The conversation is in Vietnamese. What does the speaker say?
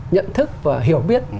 nhận thức và hiểu biết